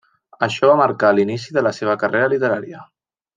Això va marcar l'inici de la seva carrera literària.